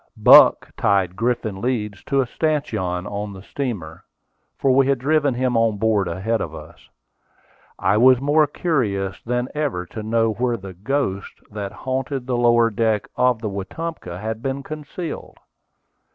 Buck tied Griffin Leeds to a stanchion on the steamer, for we had driven him on board ahead of us. I was more curious than ever to know where the "ghost" that haunted the lower deck of the Wetumpka had been concealed.